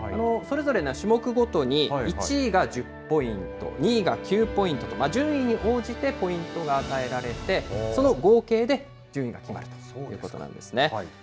それぞれの種目ごとに１位が１０ポイント、２位が９ポイントと、順位に応じてポイントが与えられて、その合計で順位が決まるということなんですね。